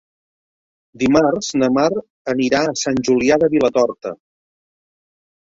Dimarts na Mar anirà a Sant Julià de Vilatorta.